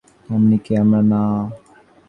এমনকি আমরাও না?